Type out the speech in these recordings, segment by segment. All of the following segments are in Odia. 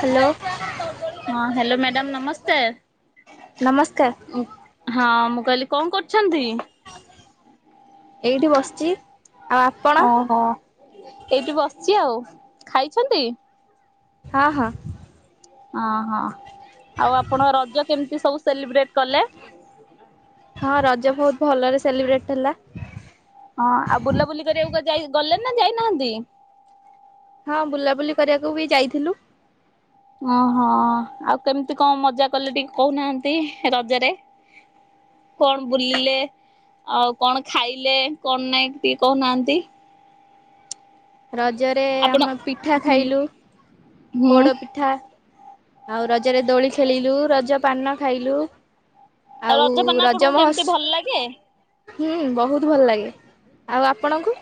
ହାଲୋ। ହଁ ହାଲୋ ମ୍ୟାଡ଼ାମ ନମସ୍କାର ନମସ୍କାର ଉଁ ହଁ ମୁଁ କହିଲି କଣ କରୁଛନ୍ତି? ଏଇଠି ବସିଛି। ଆଉ ଆପଣ ଅ ହ ଏଇଠି ବସିଛି ଆଉ ଖାଇଛନ୍ତି? ହଁ ହଁ। ଅହ ଆଉ ଆପଣ ରଜ କେମିତି ସବୁ ସେଲିବ୍ରେଟ କଲେ? ହଁ ରଜ ବୋହୁତ ଭଲରେ ସେଲିବ୍ରେଟ ହେଲା। ହଁ ଆଉ ବୁଲାବୁଲି କରିବାକୁ କୁଆ ଯାଇ ଗଲେ ନା ଯାଇନାହାନ୍ତି? ହଁ ବୁଲାବୁଲି କରିବାକୁ ବି ଯାଇଥିଲୁ। ଅଁ ହଁ ଆଉ କେମିତି କଣ ମଜା କଲେ ଟିକେ କହୁ ନାହାନ୍ତି ରଜରେ? କଣ ବୁଲିଲେ ଆଉ କଣ ଖାଇଲେ କଣ ନାଇଁ ଟିକେ କହୁନାହାନ୍ତି? ରଜରେ ଆପଣ ଆମେ ପିଠା ହୁଁ ଖାଇଲୁ ହୁଁ ପୋଡ଼ପିଠା। ଆଉ ରଜରେ ଦୋଳି ଖେଳିଲୁ ରଜ ପାନ ଖାଇଲୁ। ଆଉ ରଜପାନ ରଜ ଆପଣଙ୍କୁ କେମିତି ଭଲ ଲାଗେ? ମହୋତ୍ସ ହୁଁ ବୋହୁତ ଭଲ ଲାଗେ ଆଉ ଆପଣଙ୍କୁ?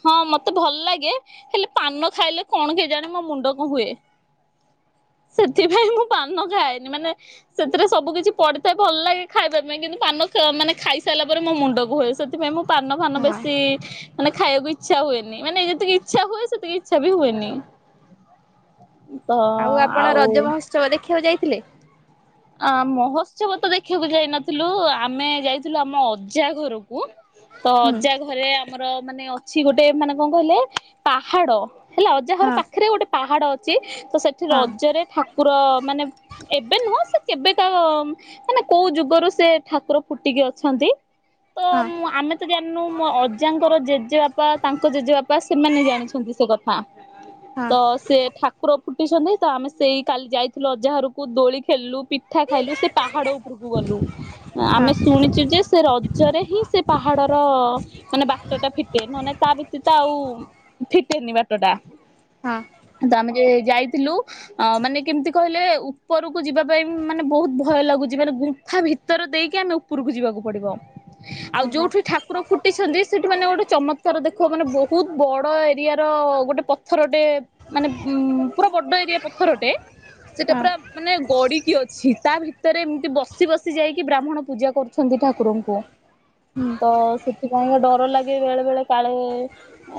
ହଁ ମତେ ଭଲ ଲାଗେ ହେଲେ ପାନ ଖାଇଲେ କଣ କେଜାଣି ମୋ ମୁଣ୍ଡ କଣ ହୁଏ। ସେଥିପାଇଁ ମୁଁ ପାନ ଖାଏନି ମାନେ ସେଥିରେ ସବୁ କିିଛି ପଡ଼ିଥାଏ ଭଲ ଲାଗେ ଖାଇବା ପାଇଁ କିନ୍ତୁ ପାନ ସ ମାନେ ଖାଇସାରିଲା ପରେ ମୋ ମୁଣ୍ଡ କ ହୁଏ ସେ ଥିପାଇଁ ମୁଁ ପାନ ଫାନ ହଁ ବେଶୀ ମାନେ ଖାଇବାକୁ ଇଚ୍ଛା ହୁଏନି ମାନେ ଯେତିକି ଇଚ୍ଛା ହୁଏ ସେତିକି ଇଚ୍ଛା ବି ହୁଏନି। ତ ଆଉ ଚ [unintelligible] ଦେଖିବାକୁ ଯାଇଥିଲେ? ଆ ମହୋତ୍ସବ ତ ଦେଖିବାକୁ ଯାଇନଥିଲୁ ଆମେ ଯାଇଥିଲୁ ଆମ ଅଜା ଘରକୁ। ତ ହୁଁ ଅଜା ଘରେ ଆମର ମାନେ ଅଛି ଗୋଟେ ମାନେ କଣ କହିଲେ ପାହାଡ଼। ହେଲା ଅଜା ଘର ହଁ ପାଖରେ ଗୋଟେ ପାହାଡ଼ ଅଛି ତ ସେଠି ହଁ ରଜରେ ଠା କୁର ମାନେ ଏବେ ନୁହଁ ସେ କେବେକାର ମାନେ କୋଉ ଯୁଗରୁ ସେ ଠାକୁର ଫୁଟିକି ଅଛନ୍ତି। ତ ହଁ ମୁଁଆମେ ତ ଜାଣିନୁ ମୋ ଅଜାଙ୍କର ଜେଜେବାପା ତାଙ୍କ ଜେଜେବାପା ସେମାନେ ଜାଣିଛନ୍ତି ସେ କ ହଁ ହଁ ତ ସେ ଠା କୁର ଫୁଟିଛନ୍ତି ତ ଆମେ ସେଇ କାଲି ଯାଇଥିଲୁ ଅଜା ଘରକୁ ଦୋଳି ଖେଳିଲୁ ପିଠା ଖାଇଲୁ ସେ ପାହାଡ଼ ଉପରକୁ ଗଲୁ ଅ ଆମେ ହଁ ଶୁଣିଛୁ ଯେ ସେ ର ଜରେ ହିଁ ସେ ପାହାଡ଼ର ମାନେ ବାଟ ଟା ଫିଟେ ନହଲେ ନାଇଁ ତା ବ୍ୟତୀତ ଆଉ ଫିଟେନି ବାଟଟା। ହଁ। ତ ଆମେ ଯେ ଯାଇଥିଲୁ ଅ ମାନେ କେମିତି କହିଲେ ଉପରକୁ ଯିବା ପାଇଁ ମାନେ ବୋହୁତ ଭୟ ଲାଗୁଛି ମାନେ ଗୁମ୍ଫା ଭିତରେ ଦେଇକି ଆମେ ଉପରକୁ ଯିବାକୁ ପଡ଼ିବ। ଆଉ ଓହୋ ଯୋଉଠି ଠା କୁର ଫୁଟିଛନ୍ତି ସେଇଠି ମାନେ ଗୋଟେ ଚମତ୍କାର ଦେଖ ମାନେ ବହୁତ ବଡ଼ ଏରିଆର ଗୋଟେ ପଥର ଟେ ମାନେ ଉଁମ୍ ପୁରା ବଡ଼ ଏରିଆ ପଥରଟେ ସେଟା ହଁ ପୁରା ମାନେ ଗଡ଼ି କି ଅଛି ତା ଭିତରେ ଏମିତି ବସି ବସି ଯାଇକି ବ୍ରାହ୍ମଣ ପୂଜା କରୁଛନ୍ତି ଠାକୁରଙ୍କୁ। ହୁଁ ତ ସେଥିପାଇଁକା ଡର ଲାଗେ ବେଳେ ବେଳେ କାଳେ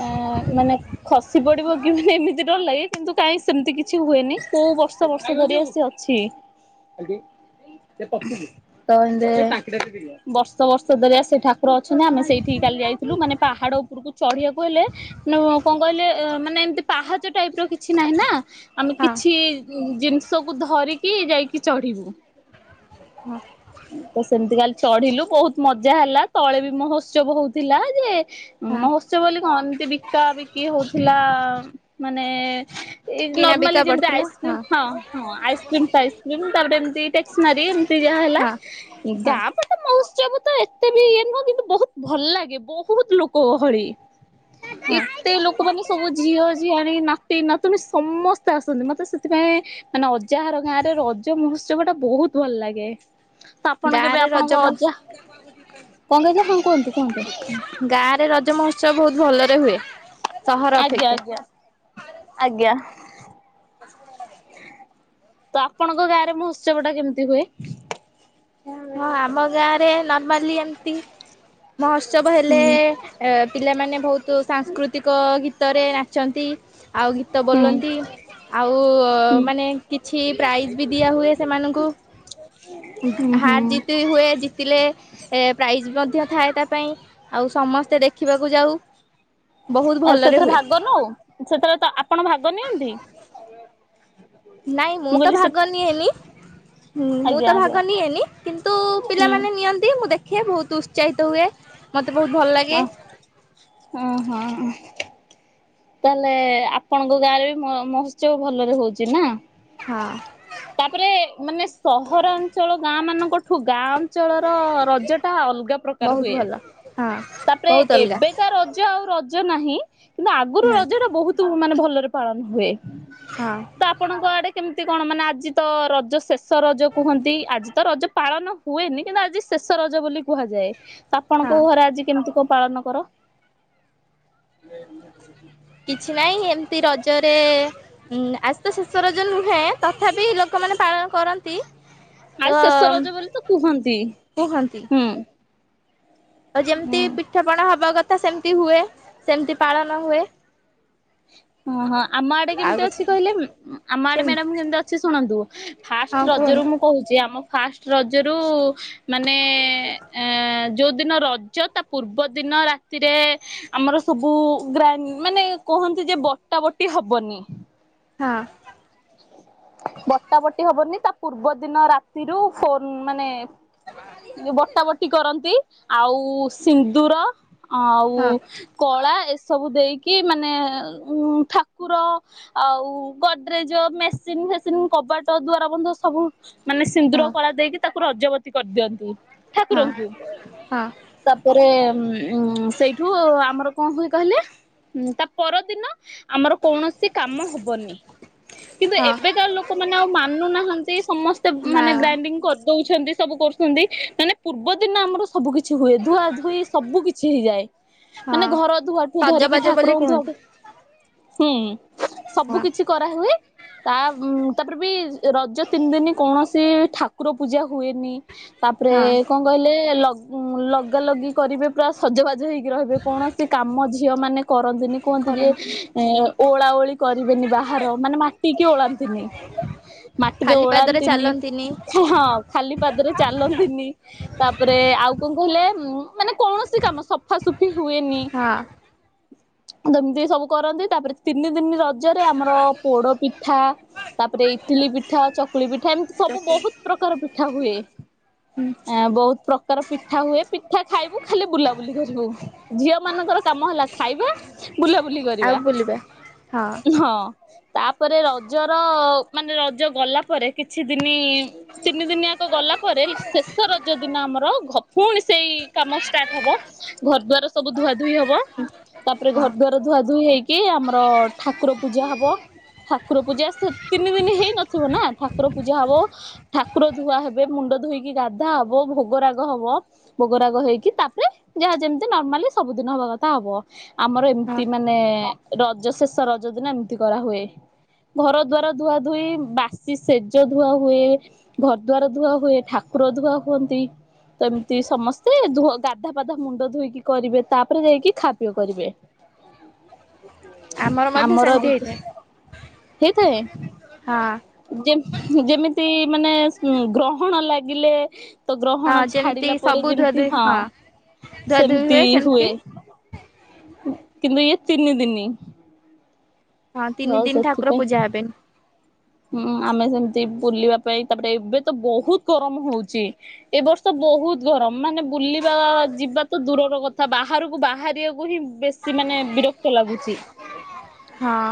ଏଁ ମାନେ ଖସି ପଡ଼ିବ କି ମାନେ ଏମିତି ଡର ଲାଗେ କିନ୍ତୁ କାଇଁ ସେମିତି କିଛି ହୁଏନି କୋଉ ବର୍ଷ ବର୍ଷ ଧରିଆ ସେ ଅଛି। ତ ହେଲେ ବର୍ଷ ବର୍ଷ ଧରିଆ ସେ ଠାକୁର ଅଛନ୍ତି ଆମେ ସେଇଠିକି କାଲି ଯାଇଥିଲୁ ମାନେ ପାହାଡ଼ ଉପରକୁ ଚଢ଼ିବାକୁ ହେଲେ [unintelligible] କଣ କହିଲେ ମାନେ ଏମିତି ପାହାଚ ଟାଇପ୍ ର କିଛି ନାହିଁ ନା। ଆମେ ହଁ କିଛି ଉଁ ଜିନିଷକୁ ଧରିକି ଯାଇକି ଚଢ଼ିବୁ। ହଁ। ତ ସେମିତି କାଲି ଚଢ଼ିଲୁ ବୋହୁତ ମଜା ହେଲା ତଳେ ବି ମହୋତ୍ସବ ହୋଉଥିଲା ଯେ ହଁ ମହୋତ୍ସବ ବୋଲି କଣ ଏମତି ବିକା ବିକି ହଉଥିଲା ମାନେ ଏଇ କିଣା ବିକା ନର୍ମାଲି ଯେମିତି ପଡିଥିଲା ଆଇସ୍କ୍ରିମ ହଁ ହଁ ଆଇସ୍କ୍ରିମ୍ ପାଇସ୍କ୍ରିମ ତାପରେ ଏମିତି ଟେକ୍ସନାରୀ ଏମିତି ଯାହା ହେଲା ହଁ ଉଁ ହଁ ଗାଁ ପା [unintelligible] ମହୋତ୍ସବ ତ ଏତେ ବି ଇଏ ନୁହଁ କିନ୍ତୁ ବୋହୁତ ଭଲ ଲାଗେ ବହୁତ ଲୋକ ଗହଳି। ହଁ ଏତେ ଲୋ ଲୋକମାନେ ସବୁ ଝିଅ, ଝିଆଣି, ନାତି, ନାତୁଣୀ ସମସ୍ତେ ଆସନ୍ତି। ମୋତେ ସେଥିପାଇଁ ମାନେ ଅଜାହାର ଗାଁରେ, ରଜ ମହୋତ୍ସବ ଟା ବହୁତ୍ ଭଲ ଲାଗେ। ତ ଆପଣ କେବେ ଗାଁରେ ରଜ ଆପଣଙ୍କ ମହୋ ଅଜା! କଣ କହିଲେ, ହଁ କୁହନ୍ତୁ, କୁହନ୍ତୁ। ଗାଁ ରେ ରଜ ମହୋତ୍ସବ ବହୁତ ଭଲରେ ହୁଏ। ସହର ଆଜ୍ଞା, ଅପେକ୍ଷା ଆଜ୍ଞା, ଆଜ୍ଞା। [inaudible] ତ ଆପଣଙ୍କ ଗାଁରେ, ମହୋତ୍ସବ ଟା କେମିତି ହୁଏ? ହଁ, ଆମ ଗାଁରେ ନର୍ମାଲି ଏମିତି, ମହୋତ୍ସବ ହୁଁ ହେଲେ ଏ ପିଲାମାନେ ବହୁତ୍ ତୁ ସାଂସ୍କୃତିକ ଗୀତରେ ନାଚନ୍ତି। ଆଉ, ଗୀତ ହୁଁ ବୋଲନ୍ତି। ଆଉ-ଉ-ଉ ହୁଁ ମାନେ କିଛି ପ୍ରାଇଜ୍ ବି ଦିଆ ହୁଏ ସେମାନଙ୍କୁ। ହୁଁ ହୁଁ ହାର ଜିତ୍ ହୁଏ ଜିତିଲେ ଏ ପ୍ରାଇଜ୍ ମଧ୍ୟ ଥାଏ ତା ପାଇଁ, ଆଉ ସମସ୍ତେ ଦେଖିବାକୁ ଯାଉ। ବହୁତ ଆ ଭଲରେ ସେଥିରେ ହୁଏ ଭାଗ ନଉ? ସେଥିରେ ତ ଆପଣ ଭାଗ ନିଅନ୍ତି? ନାଇଁ, ମୁଁ ତ କହିଲି ସେ ଭାଗ ନିଏନି। ହୁଁ, ମୁଁ ଆଜ୍ଞା ତ ଆଜ୍ଞା ଭାଗ ନିଏନି। କିନ୍ତୁ ହୁଁ ପିଲାମାନେ ନିଅନ୍ତି, ମୁଁ ଦେଖ ଦେଖେ, ବହୁତ ଉତ୍ସାହିତ ହୁଏ। ମୋତେ ବହୁତ ଭଲ ଲାଗେ। ହଁ, ହଁ। ତାହେଲେ, ଆପଣଙ୍କ ଗାଁରେ ବି ମ - ମହୋତ୍ସବ ଭଲରେ ହଉଛି ନା? ହଁ। ତା'ପରେ ମାନେ, ସହରାଞ୍ଚଳ ଗାଁ, ମାନଙ୍କଠୁ ଗାଁ ଅଞ୍ଚଳର ରଜଟା ଅଲଗା ପ୍ରକାର ବହୁତ ହୁଏ। ଭଲ ହଁ ତା'ପରେ ବହୁତ ଅଲଗା ଏବେ ତା, ରଜ ଆଉ ରଜ ନାହିଁ। କିନ୍ତୁ ଆଗରୁ ନା ରଜ ଟା ବହୁତୁ ମାନେ ଭଲରେ ପାଳନ ହୁଏ। ହଁ। ତ ଆପଣଙ୍କ ଆଡ଼େ କେମିତି କଣ? ମାନେ ଆଜି ତ ରଜ ଶେଷ ରଜ କୁହନ୍ତି। ଆଜି ତ ରଜ ପାଳନ ହୁଏନି। କିନ୍ତୁ ଆଜି ଶେଷ ରଜ ବୋଲି କୁହାଯାଏ। ତାପ୍ ଆପଣଙ୍କୋ, ହଁ ଘରେ ଆଜି କେମିତି କ ପାଳନ କର? କିଛି ନାହିଁ, ଏମିତି ରଜରେ ହୁଁ, ଆଜି ତ ଶେଷ ରଜ ନୁହେଁ। ତଥାପି ଲୋକମାନେ ପାଳନ କରନ୍ତି। ତ ଆରେ, ଶେଷ ରଜ ବୋଲି ତ କୁହନ୍ତି! ହୁଁ, ଆଉ, ଯେମିତି ହୁଁ। ପିଠାପଣା ହବା କଥା ସେମିତି ହୁଏ। ସେମିତି ପାଳନ ହୁଏ। ଅ ହଁ, ଆମ ଆଡେ ଆଉ କେମିତି କିଛି ଅଛି କହିଲେ? ଆମ ଆଡେ, ମ୍ୟାଡାମ୍ କେମିତି ଅଛି ଶୁଣନ୍ତୁ? ଫାଷ୍ଟ ହଁ ରଜରୁ କୁହନ୍ତୁ ମୁଁ କହୁଛି। ଆମ ଫାଷ୍ଟ ରଜରୁ-ଉ ମାନେ-ଏଁ-ଏଁ ଯୋଉ ଦିନ ରଜ ତା ପୂର୍ବ ଦିନ ରାତିରେ, ଆମର ସବୁ ଗ୍ରା ମାନେ କହନ୍ତି ଯେ, ବଟା ବଟି ହବନି। ହଁ। ବଟା ବଟି ହବନି। ତା ପୂର୍ବ ଦିନ ରାତିରୁ ଫୋନ୍ ମାନେ ବଟା ବଟି କରନ୍ତି। ଆଉ ସ୍ ସିନ୍ଦୁର ଆଉ-ଉ ହଁ କଳା ଏସବୁ ଦେଇକି ମାନେ-ଏ ଉଁ ଠାକୁର ଆଉ, ଗଡ୍ରେଜ ଯଉ ମେସିନ୍ ଫେସିନ୍ କବାଟ ଦ୍ଵାରା ବନ୍ଧ, ସବୁ ମାନେ ସିନ୍ଦୁର ହଁ କଳା ଦେଇକି ତାକୁ ରଜବତୀ କରିଦିଅନ୍ତି। ହଁ ଠାକୁରଙ୍କୁ! ହଁ ତା'ପରେ ଉଁ ସେଇଠୁ ଆମର କଣ ହୁଏ କହିଲେ? ତା' ପରଦିନ ଆମର କୌଣସି କାମ ହବନି। କିନ୍ତୁ, ହଁ ଏବେକାର ଲୋକମାନେ ଆଉ, ମାନୁନାହାଁନ୍ତି। ସମସ୍ତେ ନା ମାନେ ଗ୍ରାଇଣ୍ଡିଙ୍ଗ କରିଦଉଛନ୍ତି। ସବୁ କରୁ ସନ୍ତି, ମାନେ ପୂର୍ବ ଦିନ ଆମର ସବୁ କିଛି ହୁଏ। ଧୁଆ ଧୁଇ ସବୁ କିଛି ହେଇଯାଏ। ମାନେ ହଁ। ଘରଧୁଆଠୁ ଧରିକି, ସଜବାଜ ବୋଲି ଠାକୁରଙ୍କ କୁହନ୍ତି ଧୁଆଠୁ ହୁଁ, ସବୁ ହଁ କିଛି କରାହୁୁଏ। ତା ତାପରେ ବି ରଜ ତିନି ଦିନି କୌଣସି ଠାକୁର ପୂଜା ହୁଏନି। ତାପରେ ହଁ କଣ କହିଲେ ଲଗ ଲଗା ଲଗି କରିବେ ପୁରା ସଜବାଜ ହେଇକି। ରହିବେ କୌଣସି କାମ ଝିଅ ମାନେ କରନ୍ତିନି କୁହନ୍ତି ଯେ କରନ୍ତି। ଓଳା ଓଳି କରିବେନି ବାହା ବାହାର ମାନେ ମାଟି କିି ଓଳାନ୍ତିନି ମାଟିରେ ଖାଲି ପାଦରେ ଓଳାନ୍ତିନି ଚାଲନ୍ତିନି ହଁ ଖାଲି ପାଦରେ ଚାଲନ୍ତି ନି। ତାପରେ ଆଉ କଣ କହିଲେ ଉ ମାନେ କୌଣସି କାମ ସଫାସୁଫି ହୁଏନି। ହଁ। ଯେମିତି ସବୁ କରନ୍ତି ତାପରେ ତିନି ଦିନି ରଜ ର ପୋଡ ପିଠା ତାପରେ ଇଟିଲି ପିଠା ଚକୁଳି ପିଠା ଏମିତି ସବୁ ଚପଲ ବହୁତ୍ ପ୍ରକାର ପିଠା ହୁଏ ହୁଁ ଆ ବହୁତ୍ ପ୍ର ଙ୍କର ପିଠା ହୁଏ ପିଠା ଖାଇବୁ ଖାଲି ବୁଲାବୁଲି କରିବୁ ଝିଅ ମାନଙ୍କର କାମ ହେଲା ଖାଇବା ବୁଲାବୁଲି ଆଉ କରିବା ବୁଲିବା ହଁ। ତାପରେ ରଜର ମାନେ ରଜ ଗଲା ପରେ କିଛି ଦିନି ତିନି ଦିନିଆକ ଗଲା ପରେ ଶେଷ ରଜ ଦିନ ଆମର ଘ ପୁଣି ସେଇ କାମ ଷ୍ଟାର୍ଟ ହବ ଘର ଦୁଆର ସବୁ ଧୁଆ ଧୋଇ ହବ ତାପରେ ହଁ ଘର ଦ୍ବାର ଧୁଆ ଧୁଇ ହେଇକି ଆମର ଠାକୁର ପୂଜା ହବ। ଠାକୁର ପୂଜା ସେ ତିନି ଦିନି ହେଇ ନଥିବ ନାଁ ଠାକୁ ଠାକୁର ପୂଜା ହବ ଠାକୁର ଧୁଆ ହେବେ ମୁଣ୍ଡ ଧୋଇକି ଗାଧା ହବ ଭୋଗରାଗ ହବ। ଭୋଗରାଗ ହେଇକି ତାପରେ ଯାହା ଯେମିତି ନର୍ମାଲି ସବୁଦିନ ହବା କଥା ହବ। ଆମର ହଁ ଏମିତି ମାନେ ରଜ ଶେଷ ରଜ ଦିନ ଏମିତି କରାହୁୁଏ। ଘର ଦ୍ବାର ଧୁଆ ଧୋଇ ବାସି ସେଜ ଧୁଆ ହୁଏ। ଘର ଦ୍ବାର ଧୁଆ ହୁଏ ଠାକୁର ଧୁଆ ହୁଅନ୍ତି। ତ ଏମିତି ସମସ୍ତେ ଧୋ ଗାଧା ପାଧା ମୁଣ୍ଡ ଧୋଇକି କରିବେ ତାପରେ ଯାଇକି ଖା ପିଇ କରିବେ। [unintelligible] ଆମର ମଧ୍ୟ ସେମିତି ହେଇଥାଏ। ହେଇ ଥାଏ? ହଁ। ଯେମ ଯେମିତି ମାନେ ସ ଗ୍ରହଣ ଲାଗିଲେ ତ ହଁ ଗ୍ରହଣ ଯେମିତି ଛାଡିଲା ପରେ ସବୁ ଧୁଆ ଯେମିତି ଧୁଇ ହଁ ଧୁଆ ଧୁଇ ସେମିତି ସେମିତି ହୁଏ। କିନ୍ତୁ ଇଏ ତିନି ଦିନି। ହଁ ତ ତିନି ଦିନି ଠାକୁର ସେଥିପାଇଁ ପୂଜା ହେବେନି। ହୁଁ ଆମେ ସେମିତି ବୁଲିବା ପାଇଁ ତାପରେ ଏବେ ତ ବହୁତ୍ ଗରମ ହଉଚି। ଏ ବର୍ଷ ବହୁତ୍ ଗରମ ମାନେ ବୁଲିବା ଯିବା ତ ଦୂରର କଥା ବାହାରକୁ ବାହାରିବା ହିଁ ବେଶ ସେ ମାନେ ବିରକ୍ତ ଲାଗୁଚି ହଁ।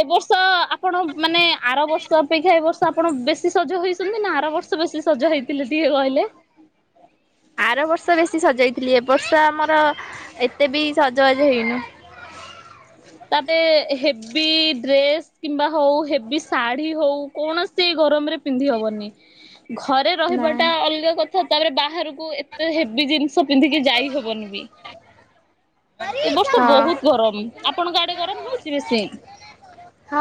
ଏ ବର୍ଷ ଆପଣ ମାନେ ଆର ବର୍ଷ ଅପେକ୍ଷା ଏ ବର୍ଷ ଆପଣ ବେଶି ସଜ ହେଇଛନ୍ତି ନା ଆର ବର୍ଷ ବେଶୀ ସଜ ହେଇଥିଲେ ଟିକେ କହିଲେ? ଆର ବର୍ଷ ବେଶୀ ସଜାଇଥିଲି ଏ ବର୍ଷ ଆମର ଏତେ ବି ସଜବାଜ ହେଇନୁ। ତାପରେ ହେବି ଡ୍ରେସ୍ କିମ୍ବା ହଉ ହେଵି ଶାଢ଼ୀ ହଉ କୌଣସି ଗରମରେ ପିନ୍ଧି ହବନି ଘରେ ରହିବା ନାଇଁ। ଟା ଅଲଗା କଥ ଥା ତାପରେ ବାହାରକୁ ଏତେ ହେବି ଜିନିଷ ପିନ୍ଧିକି ଯାଇ ହବନି ବି। ଏ ବର୍ଷ ହଁ ବହୁତ୍ ଗରମ ଆପଣଙ୍କ ଆଡେ ଗରମ ହଉଛି ବେଶୀ?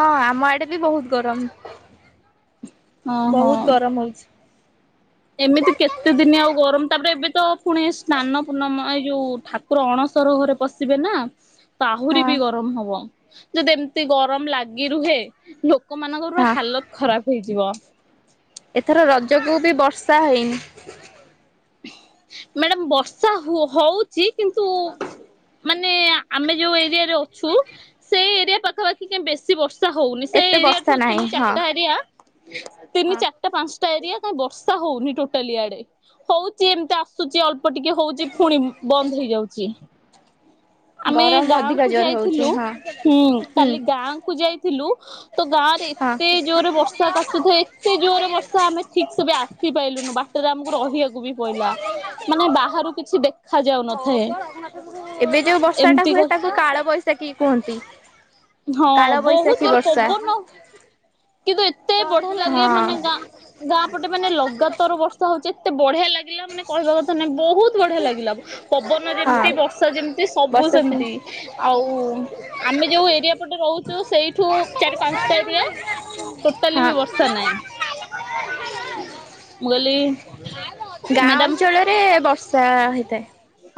ହଁ ଆମ ଆଡେ ବି ବହୁତ୍ ଗରମ। ଓହୋ ବହୁତ୍ ଗରମ ହଉଛି। ଏମିତି କେତେ ଦିନି ଆଉ ଗରମ ତାପରେ ଏବେ ତ ପୁଣି ସ୍ନାନ ପୂର୍ଣ୍ଣମା ଏଇ ଯୋଉ ଠା ପୁରା ଅଣସର ଘରେ ପଶିବେ ନା ତ ଆହୁରି ହଁ ବି ଗରମ ହବ। ଯଦି ଏମିତି ଗରମ ଲାଗି ରୁହେ ଲୋକ ମାନଙ୍କର ହଁ ହାଲତ ଖରାପ୍ ହେଇଯିବ। ଏଥର ରଜକୁ ବି ବର୍ଷା ହେଇନି। ମ୍ୟାଡାମ ବର୍ଷା ହଉଚି କିନ୍ତୁ ମାନେ ଆମେ ଯୋଉ ଏରିଆରେ ଅଛୁ ସେଇ ଏରିଆ ପାଖାପାଖି ଟିକେ ବେଶୀ ବର୍ଷା ହଉନି ସେ ଏତେ ବର୍ଷା ଏରିଆଠୁ ନାହିଁ ତିନି ହଁ। ଚାରିଟା ଏରିଆ ତିନି ହଁ ଚାରିଟା ପାଞ୍ଚଟା ଏରିଆ କାଇଁ ବର୍ଷା ହଉନି ଟୋଟାଲି ଏଆଡେ ହଉ ଏମିତି ଆସୁଛି ଅଳ୍ପ ଟିକେ ହଉଚି ଫୁଣି ବନ୍ଦ ହେଇଯାଉଚି। ଆମେ ଗରମ ଗାଁ ଅଧିକା କୁ ଜୋର ହଉଛି ଯାଇଥିଲୁ ହଁ ହୁଁ ହୁଁ କାଲି ଗାଁ କୁ ଯାଇ ଥିଲୁ ତ ଗାଁ ରେ ହଁ। ଏତେ ଜୋରରେ ବର୍ଷା କାଚୁଥାଏ ଏତେ ଜୋରରେ ବର୍ଷା ଆମେ ଠିକ ସେ ବି ଆସିପଲୁନୁ ବାଟରେ ଆମକୁ ରହିବାକୁ ବି ପଡିଲା ମାନେ ବାହାରୁ କିଛି ଦେଖ ହ ଏବେ ଯୋଉ ବର୍ଷା ଟା ଏମିତି କ ହୁଏ ତାଙ୍କୁ କାଳ ବୈସାଖୀ କୁହନ୍ତି। ହଁ କାଳ ବହୁତ ବୈଶାଖୀ ଜୋର ବର୍ଷା। ପବନ କିନ୍ତୁ ଏତେ ବଢିଆ ଲାଗେ ମାନେ ଗାଁ ଗାଁ ପଟେ ମାନେ ଲଗାତର ବର୍ଷ ଥା ହଉଛି ଏତେ ବଢିଆ ଲାଗିଲା ମାନେହିବା କଥା ନାଇଁ ବହୁତ ବଢିଆ ଲାଗିଲା। ପବନ ହଁ ଯେମିତି ହଁ ବର୍ଷା ଯେମିତି ସବୁ ବର୍ଷା ସେମିତି। ଆଉ ଆମେ ଯୋଉ ଏରିଆ ପଟେ ରହୁଛୁ ସେଇଠୁ ଚାରି ପାଞ୍ଚଟା ଏରିଆ। ଟୋଟାଲି ହଁ। ବି ବର୍ଷା ନାହିଁ। ମୁଗଲି ମ୍ୟାଡ଼ାମ। ହେ ବର୍ଷା ହେଇଥାଏ,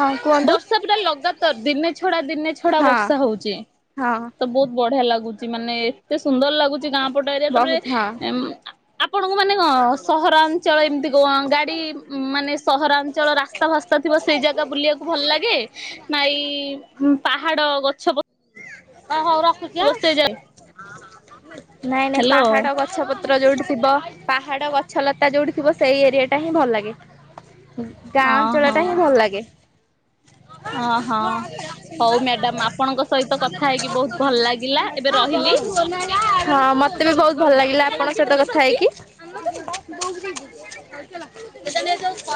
ହଁ କୁହନ୍ତୁ। ବର୍ଷା ପୁରା ଲଗାତାର ଦିନେ ଛଡ଼ା, ଦିନେ ଛଡ଼ା ହଁ ବର୍ଷା ହଉଛି ହଁ ତ ବହୁତ ବଢ଼ିଆ ଲାଗୁଛି ମାନେ ଏତେ ସୁନ୍ଦର ଲାଗୁଛି ଗାଁ ପଟ ଏରିଆ ତାପରେ ବହୁତ ହଁ। ଆପଣଙ୍କୁ ମାନେ କଣ ସହରା ଳ ଏମତି କଣ ଗାଡ଼ି ମାନେ ସହରାଞ୍ଚଳ ରାସ୍ତା ଫାସ୍ତା ଥିବ ସେଇ ଜାଗା ବୁଲିବାକୁ ଭଲ ଲାଗେ ନା ଏ ପାହାଡ଼, ଗଛ ହଁ ହଉ ରଖୁଛି ହଁ, ବସେଇ ଯାଏ ନାଇଁ ନାଇଁ ହ୍ୟାଲୋ ପାହାଡ଼, ଗଛ ଗଛ ପତ୍ର ଯୋଉଠି ଥିବ ପାହାଡ଼, ଗଛଲତା ଯୋଉଠି ଥିବ ସେଇ ଏରିଆ ଟା ହିଁ ଭଲ ଲାଗେ। ଗାଁ ଅଞ୍ଚଳ ଓହୋ ଟା ହିଁ ଭଲ ଲାଗେ। ଓହଁ ହଉ ମ୍ୟାଡାମ ଆପଣଙ୍କ ସହିତ କଥା ହେଇକି ବହୁତ ଭଲ ଲାଗି ହଁ ମତେ ବି ବହୁତ ଭଲ ଲାଗିଲା ଆପଣଙ୍କ ସହିତ କଥା ହେଇକି। ସେ ଯୋଉ